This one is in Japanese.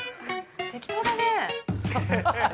適当だね。